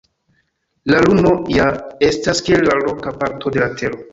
La Luno ja estas kiel la roka parto de la Tero.